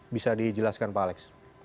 bisa dijelaskan pak alex